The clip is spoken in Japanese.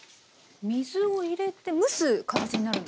水を入れて蒸す形になるんですね。